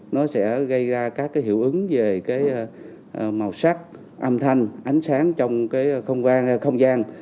nó sẽ gây ra các cái hiệu ứng về cái màu sắc âm thanh ánh sáng trong cái không gian không gian